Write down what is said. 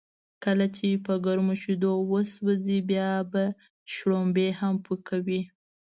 کله چې په گرمو شیدو و سوځې، بیا به شړومبی هم پو کوې.